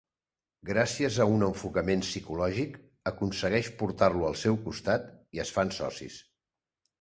Gràcies a un enfocament psicològic, aconsegueix portar-lo al seu costat i es fan socis.